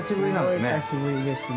すごい久しぶりですね。